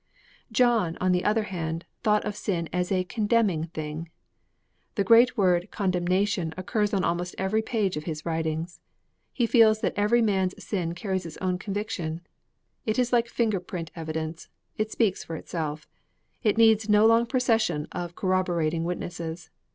John, on the other hand, thought of sin as a condemning thing. The great word 'condemnation' occurs on almost every page of his writings. He feels that every man's sin carries its own conviction. It is like finger print evidence; it speaks for itself; it needs no long procession of corroborating witnesses.